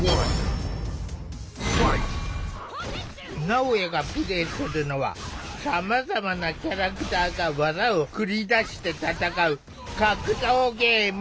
なおやがプレイするのはさまざまなキャラクターが技を繰り出して戦う格闘ゲーム。